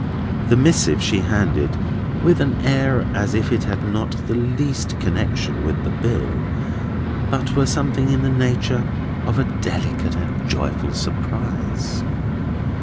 This missive she handed with an air as if it had not the least connexion with the bill, but were something in the nature of a delicate and joyful surprise.